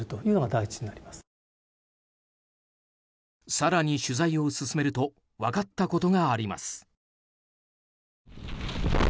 更に取材を進めると分かったことがあります。